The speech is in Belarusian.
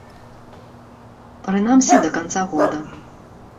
Прынамсі, да канца года.